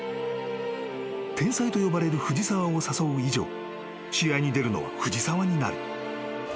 ［天才と呼ばれる藤澤を誘う以上試合に出るのは藤澤になる］